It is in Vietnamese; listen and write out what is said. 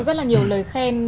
rất là nhiều lời khen